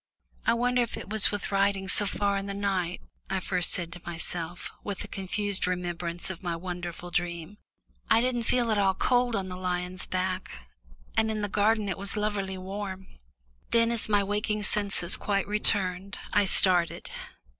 "I wonder if it was with riding so far in the night," I first said to myself, with a confused remembrance of my wonderful dream. "I didn't feel at all cold on the lion's back, and in the garden it was lovelily warm." Then, as my waking senses quite returned, I started.